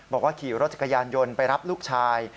บอกว่าขี่รถจักรยานยนต์ไปรับลูกชาย